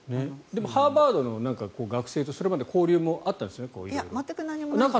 でもハーバードの学生とそれまで交流もあったんですか？